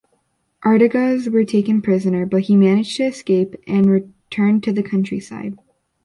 Artigas was taken prisoner, but he managed to escape and returned to the countryside.